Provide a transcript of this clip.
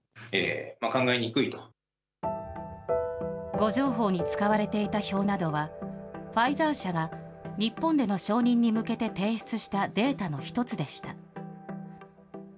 誤情報に使われていた表などは、ファイザー社が日本での承認に向けて提出したデータの一つでした。